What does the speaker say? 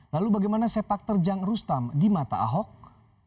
lalu bagaimana sepak terjang rustam di mata ahok